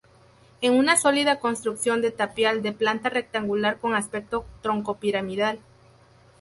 Es una sólida construcción de tapial, de planta rectangular con aspecto troncopiramidal.